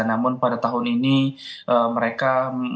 namun pada tahun ini mereka